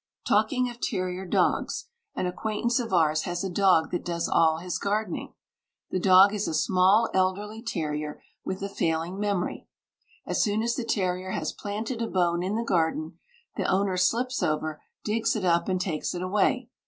Talking of terrier dogs, an acquaintance of ours has a dog that does all his gardening. The dog is a small elderly terrier with a failing memory. As soon as the terrier has planted a bone in the garden the owner slips over, digs it up and takes it away.